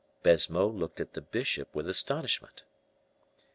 Baisemeaux looked at the bishop with astonishment.